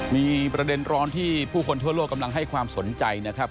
มีประเด็นร้อนที่ผู้คนทั่วโลกกำลังให้ความสนใจนะครับ